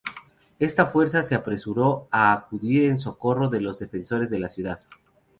Esta fuerza se apresuró a acudir en socorro de los defensores de la ciudad.